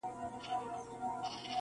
دغو ورېځو هم کتلو -